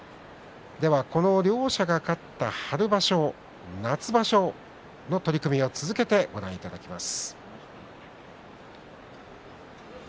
この両者が勝った春場所、夏場所の取組を続けてご覧いただきます。